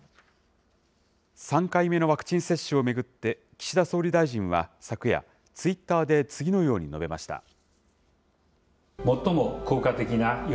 ３回目のワクチン接種を巡って岸田総理大臣は昨夜、ツイッターで次のように述べました。